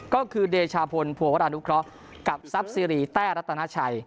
ก็คือเดชาพลภัวราณุคร้อกับซับซีรีแต้รัตนาชัย